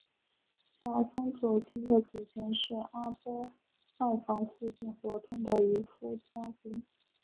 小松左京的祖先是阿波外房附近活动的渔夫家族。